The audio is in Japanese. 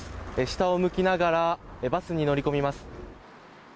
下を向きながらバスに乗り込みます。